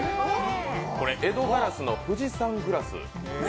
これ江戸硝子の富士山グラス。